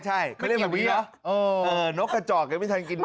ใช่เขาเรียกเหมือนวินกกระจอกยังไม่ทันกินมา